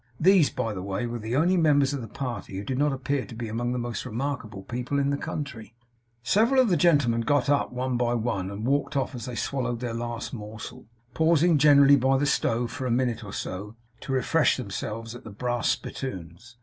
These, by the way, were the only members of the party who did not appear to be among the most remarkable people in the country. Several of the gentlemen got up, one by one, and walked off as they swallowed their last morsel; pausing generally by the stove for a minute or so to refresh themselves at the brass spittoons.